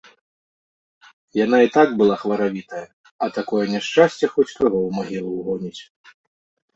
Яна і так была хваравітая, а такое няшчасце хоць каго ў магілу ўгоніць.